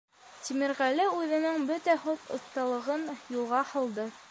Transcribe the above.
— Тимерғәле үҙенең бөтә һүҙ оҫталығын юлға һалды.